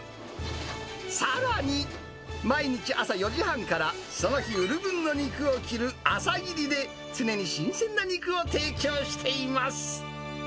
さらに、毎日朝４時半から、その日売る分の肉を切る朝切りで、常に新鮮な肉を提供しています。